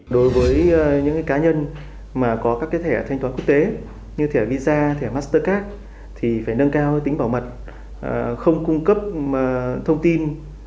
đối với những cá nhân mà có các thẻ thanh toán quốc tế như thẻ visa thẻ mastercard thì phải nâng cao tính bảo mật không cung cấp thông tin